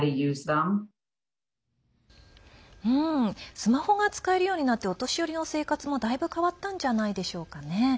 スマホが使えるようになってお年寄りの生活も、だいぶ変わったんじゃないでしょうかね。